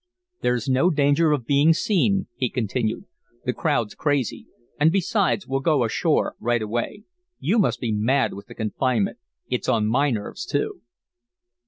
"There's no danger of being seen," he continued, "The crowd's crazy, and, besides, we'll go ashore right away. You must be mad with the confinement it's on my nerves, too."